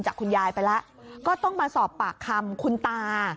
คุณยายไปแล้วก็ต้องมาสอบปากคำคุณตา